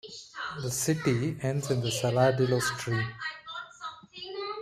The city ends in the Saladillo Stream.